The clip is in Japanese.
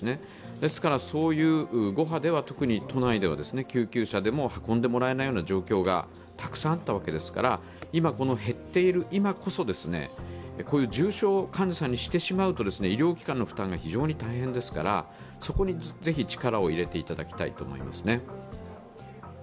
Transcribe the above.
ですから、そういう５派では特に都内では救急車でも運んでもらえないような状況がたくさんあったわけですから減っている今こそ、こういう重症患者さんにしてしまうと医療機関の負担が非常に大変ですからそこにぜひ力を入れていただきたいと思いますね。